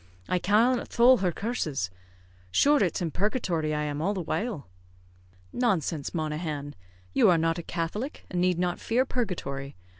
I cannot thole her curses. Shure it's in purgatory I am all the while." "Nonsense, Monaghan! you are not a Catholic, and need not fear purgatory.